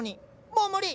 もう無理！